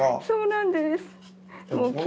そうなんですもう。